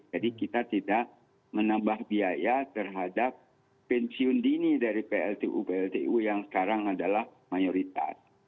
jadi kita tidak menambah biaya terhadap pensiun dini dari pltu pltu yang sekarang adalah mayoritas